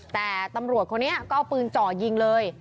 แต่ตำรวจคนนี้ก็เอาปืนจ่อยิงเลย